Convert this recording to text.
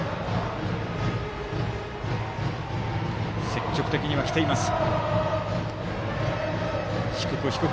積極的には来ています。